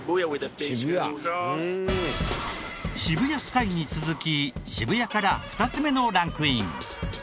渋谷スカイに続き渋谷から２つ目のランクイン。